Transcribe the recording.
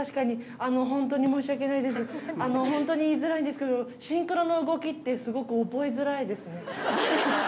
あの本当に申し訳ないです、本当に言いづらいんですけど、シンクロの動きってすごく覚えづらいですね。